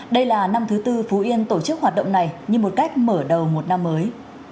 đây là năm thứ tư phú yên tổ chức hoạt động này như một cách mở đầu một năm mới